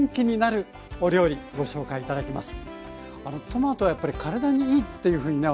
トマトはやっぱり体にいいっていうふうにね